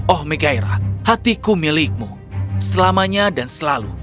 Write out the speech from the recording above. oh megairah hatiku milikmu selamanya dan selalu